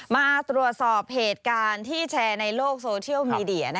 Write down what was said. มาตรวจสอบเหตุการณ์ที่แชร์ในโลกโซเชียลมีเดีย